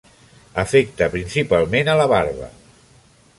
Afecta principalment a la barba.